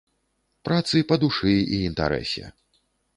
Працы па душы і інтарэсе!